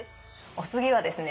お次はですね